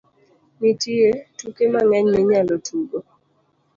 Nitie tuke mang'eny minyalo tugo.